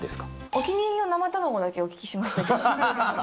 お気に入りの生卵だけお聞きしましたけど。